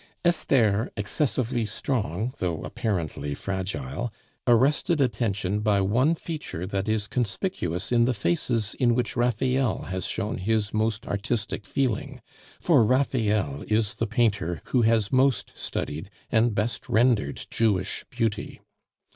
Esther, excessively strong though apparently fragile, arrested attention by one feature that is conspicuous in the faces in which Raphael has shown his most artistic feeling, for Raphael is the painter who has most studied and best rendered Jewish beauty.